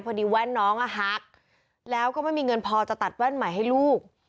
แว่นน้องอ่ะหักแล้วก็ไม่มีเงินพอจะตัดแว่นใหม่ให้ลูก